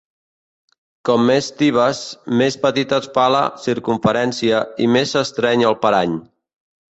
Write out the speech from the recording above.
Com més tibes, més petita es fa la circumferència i més s'estreny el parany.